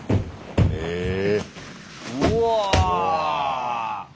うわ。